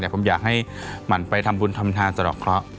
ผมอยากให้หมั่นไปทำบุญธรรมทางสรรคเคราะห์